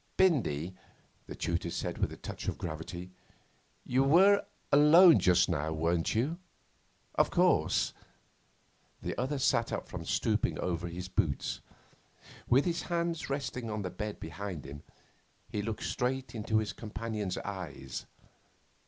'Bindy,' the tutor said with a touch of gravity, 'you were alone just now weren't you of course?' The other sat up from stooping over his boots. With his hands resting on the bed behind him, he looked straight into his companion's eyes.